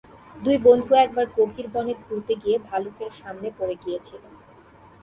দুই বন্ধু একবার গভীর বনে ঘুরতে গিয়ে ভালুকের সামনে পড়ে গেছিল।